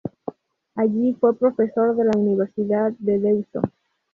Allí fue profesor de la Universidad de Deusto.